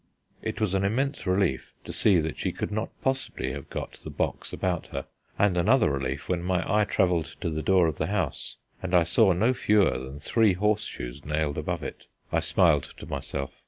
It was an immense relief to see that she could not possibly have got the box about her, and another relief when my eye travelled to the door of the house and I saw no fewer than three horseshoes nailed above it. I smiled to myself.